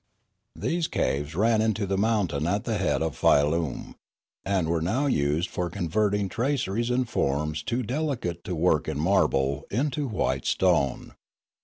These caves ran into the mountain at the head of Fialume, and were now used for converting traceries and forms too delicate to work in marble into white stone.